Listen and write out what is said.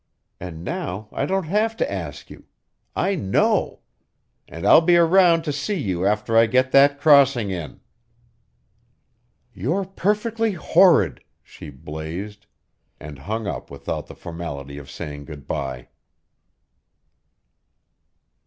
And now I don't have to ask you. I know! And I'll be around to see you after I get that crossing in!" "You're perfectly horrid," she blazed, and hung up without the formality of saying good bye.